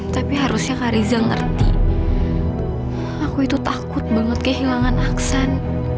tapi harusnya kariza ngerti aku itu takut banget kehilangan aksan